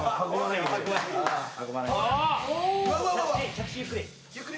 着地ゆっくり。